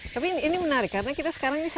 tapi ini menarik karena kita sekarang ini